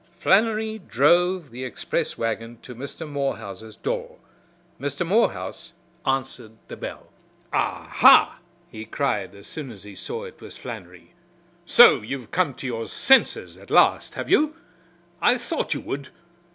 Flannery drove the express wagon to Mr. Morehouse's door. Mr. Morehouse answered the bell. "Ah, ha!" he cried as soon as he saw it was Flannery. "So you've come to your senses at last, have you? I thought you would!